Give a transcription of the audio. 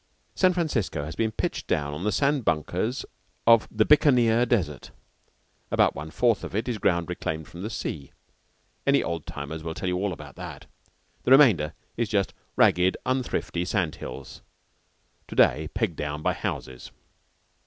San Francisco has been pitched down on the sand bunkers of the Bikaneer desert. About one fourth of it is ground reclaimed from the sea any old timers will tell you all about that. The remainder is just ragged, unthrifty sand hills, to day pegged down by houses.